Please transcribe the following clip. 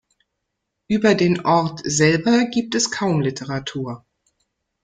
Über den Ort selber gibt es kaum Literatur.